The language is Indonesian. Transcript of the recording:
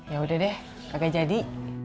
ya udah deh agak jadi